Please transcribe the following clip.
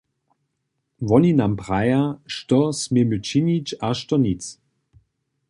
Woni nam praja, što směmy činić a što nic.